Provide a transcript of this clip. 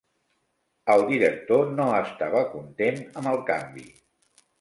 El director no estava content amb el canvi.